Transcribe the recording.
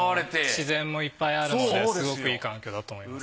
自然もいっぱいあるのですごくいい環境だと思います。